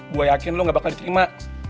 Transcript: gue yakin lo gak bakal diterima